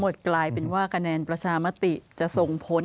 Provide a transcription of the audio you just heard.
หมดกลายเป็นว่ากำแหนนประชามัติจะส่งผล